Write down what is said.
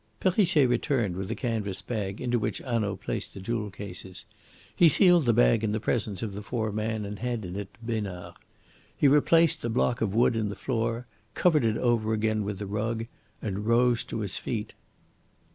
Perrichet returned with a canvas bag, into which Hanaud placed the jewel cases. He sealed the bag in the presence of the four men and handed it to Besnard. He replaced the block of wood in the floor, covered it over again with the rug, and rose to his feet.